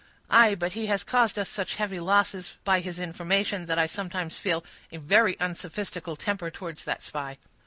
"Aye! but he has caused us such heavy losses by his information, that I sometimes feel a very unsophistical temper towards that spy."